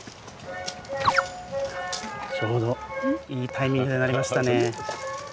ちょうどいいタイミングで鳴りましたね。